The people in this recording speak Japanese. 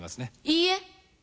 いいえ！